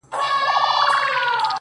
بنگړي نه غواړم’